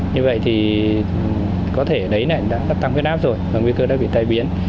như vậy thì có thể đấy này nó tăng huyết áp rồi bằng vì cơ đã bị tai biến